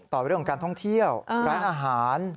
ต่อเรื่องของการท่องเที่ยวร้านอาหาร